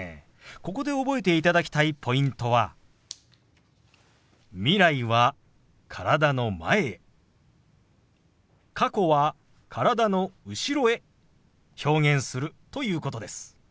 ここで覚えていただきたいポイントは未来は体の前へ過去は体の後ろへ表現するということです。